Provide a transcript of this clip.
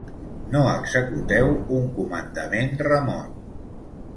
No executeu un comandament remot.